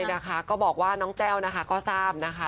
นะคะก็บอกว่าน้องแต้วนะคะก็ทราบนะคะ